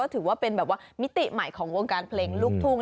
ถือว่าเป็นแบบว่ามิติใหม่ของวงการเพลงลูกทุ่ง